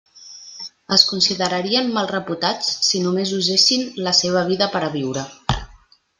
Es considerarien mal reputats si només usessin la seva vida per a viure.